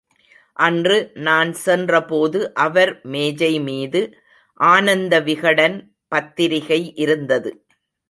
அன்று நான் சென்றபோது அவர் மேஜைமீது ஆனந்தவிகடன் பத்திரிகை இருந்தது.